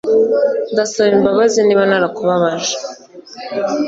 Ndasaba imbabazi niba narakubabaje